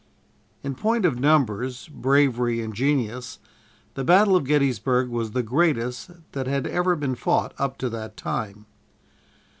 In point of numbers, bravery and genius, the battle of Gettysburg was the greatest that had ever been fought up to that time.